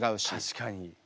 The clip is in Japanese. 確かに。